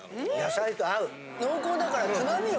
濃厚だからつまみよ